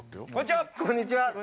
こんにちは。